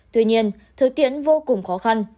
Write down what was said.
tuy nhiên thực tiễn vô cùng khó khăn